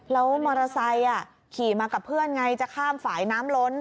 แล้วมอเตอร์ไซค์ขี่มากับเพื่อนไงจะข้ามฝ่ายน้ำล้น